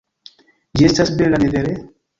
Ĝi estas bela, ne vere?